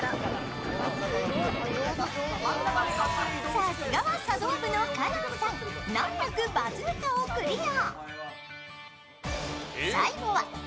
さすがは茶道部の香音さん、難なくバズーカをクリア。